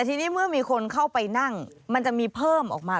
ทีนี้เมื่อมีคนเข้าไปนั่งมันจะมีเพิ่มออกมา